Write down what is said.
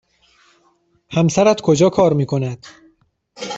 همسرت کجا کار می کند؟